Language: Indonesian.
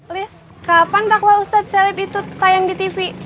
lis kapan dakwa ustadz salib itu tayang di tv